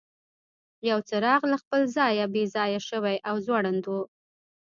یو څراغ له خپل ځایه بې ځایه شوی او ځوړند و.